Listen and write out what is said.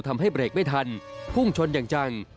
ทำให้เบรกไม่ทันพุ่งชนอย่างจัง